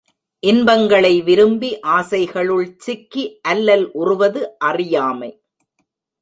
இன்பங்களை விரும்பி ஆசைகளுள் சிக்கி அல்லல் உறுவது அறியாமை.